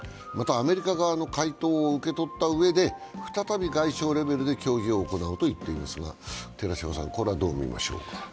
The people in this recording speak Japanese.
またアメリカ側の回答を受け取ったうえで再び外相レベルで協議を行うと言っていますが、寺島さん、これはどう見ましょうか？